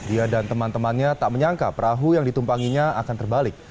ia dan teman temannya tak menyangka perahu yang ditumpanginya akan terbalik